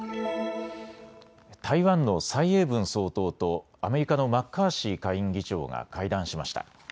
台湾の蔡英文総統とアメリカのマッカーシー下院議長が会談しました。